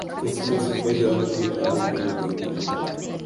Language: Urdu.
اس میں سفید رنگ کی جھاگ ملی ہوئی ہے